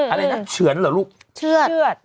อะไรนะเฉือนเหรอลูกเชื่อด